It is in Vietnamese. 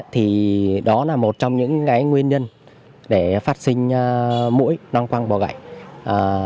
thì đó là một trong những nguyên nhân để phát sinh mũi non quăng bò gạch